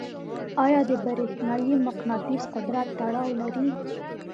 آیا د برېښنايي مقناطیس قدرت تړاو لري؟